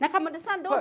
どうぞ。